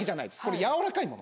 やわらかいもの。